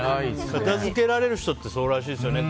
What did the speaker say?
片付けられる人ってそうらしいですね。